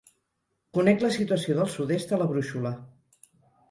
Conec la situació del sud-est a la brúixola.